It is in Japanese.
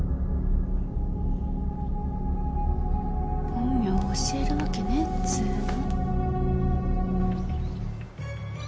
本名教えるわけねえっつうの。